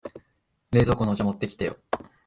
冷蔵庫のお茶持ってきてよ。